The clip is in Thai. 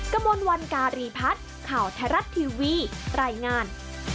กระมวลวันการีพัฒน์ข่าวไทยรัฐทีวีรายงาน